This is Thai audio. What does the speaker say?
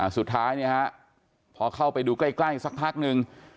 สุดท้ายพอเข้าไปดูใกล้สักพักนึง